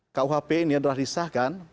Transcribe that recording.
rkuhp ini yang telah disahkan